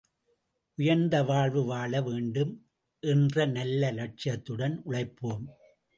உயர்ந்த வாழ்வு வாழ வேண்டும் என்ற நல்ல லட்சியத்துடன் உழைப்போம்.